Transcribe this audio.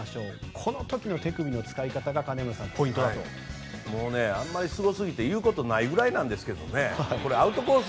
この時の手首の使い方があまりすごすぎていうことないぐらいなんですけどアウトコース